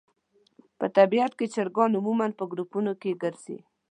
په طبیعت کې چرګان عموماً په ګروپونو کې ګرځي.